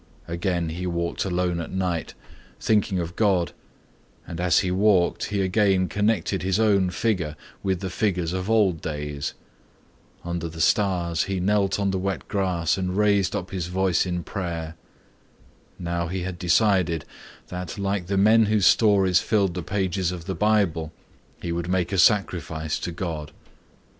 Again he walked alone at night thinking of God and as he walked he again connected his own figure with the figures of old days. Under the stars he knelt on the wet grass and raised up his voice in prayer. Now he had decided that like the men whose stories filled the pages of the Bible, he would make a sacrifice to God.